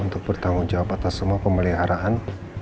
untuk bertanggung jawab atas semua pemeliharaan